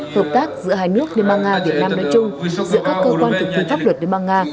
hợp tác giữa hai nước liên bang nga việt nam nói chung giữa các cơ quan thực thi pháp luật liên bang nga